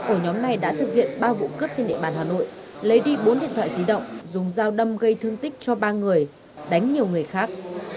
ổ nhóm này đã thực hiện ba vụ cướp trên địa bàn hà nội lấy đi bốn điện thoại di động dùng dao đâm gây thương tích cho ba người đánh nhiều người khác